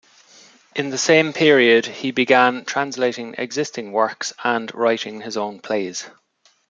In the same period he began translating existing works and writing his own plays.